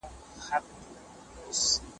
ګومان کېږي چې عربي اصطلاح ډېره بشپړه ده.